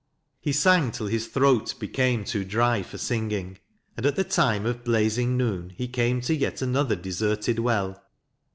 He sang till his throat became too dry for singing, and at the time of blazing noon he came to yet another deserted well.